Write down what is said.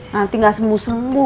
nanti gak sembuh sembuh